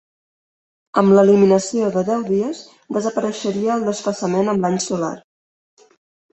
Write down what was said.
Amb l'eliminació de deu dies desapareixia el desfasament amb l'any solar.